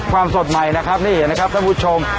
สดใหม่นะครับนี่เห็นนะครับท่านผู้ชม